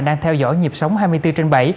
đang theo dõi nhịp sống hai mươi bốn trên bảy